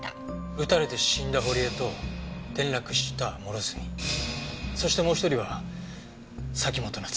撃たれて死んだ堀江と転落した諸角そしてもう一人は崎本菜津美。